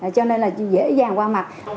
cho nên là dễ dàng qua mặt